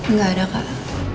nggak ada kak